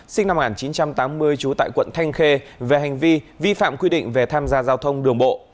sinh năm một nghìn chín trăm tám mươi trú tại quận thanh khê về hành vi vi phạm quy định về tham gia giao thông đường bộ